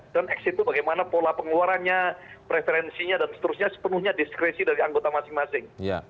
dan x itu bagaimana pola pengeluarannya preferensinya dan seterusnya sepenuhnya diskresi dari anggota masing masing